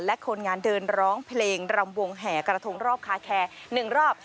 และคนงานเดินร้องเพลงรำวงแห่กระทงรอบคาแคร์๑รอบ